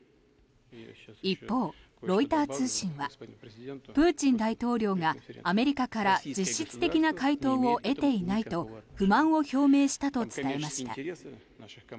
一方、ロイター通信はプーチン大統領がアメリカから実質的な回答を得ていないと不満を表明したと伝えました。